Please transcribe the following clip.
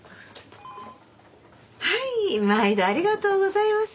はい毎度ありがとうございます。